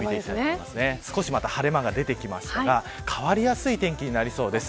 少し、また晴れ間が出てきていますが変わりやすい天気になりそうです。